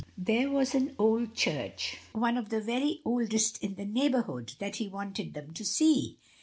There was an 5* 68 MRS. DYMOND. old church, one of the very oldest in the neighbour hood, that he wanted them to see.